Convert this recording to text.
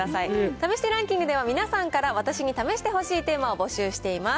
試してランキングでは、皆さんから私に試してほしいテーマを募集しています。